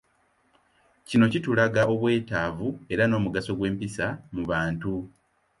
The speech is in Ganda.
Kino kitulaga obwetaavu era n'omugaso gw'empisa mu bantu.